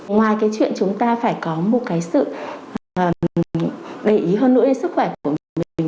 ngoài cái chuyện chúng ta phải có một cái sự để ý hơn nữa sức khỏe của mình